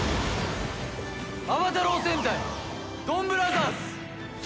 『暴太郎戦隊ドンブラザーズ』！